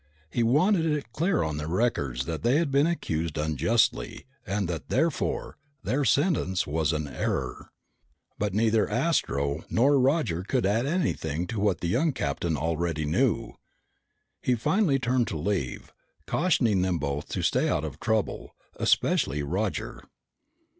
He wanted it clear on their records that they had been accused unjustly, and that, therefore, their sentence was an error. But neither Astro nor Roger could add anything to what the young captain already knew. He finally turned to leave, cautioning them both to stay out of trouble, especially Roger.